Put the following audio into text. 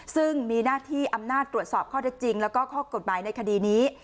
ซึ่งมีหน้าที่อำนาจตรวจสอบข้อเท็จจริงแล้วก็ข้อกฎหมายในคดีนี้